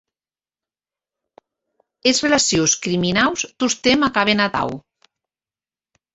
Es relacions criminaus tostemp acaben atau.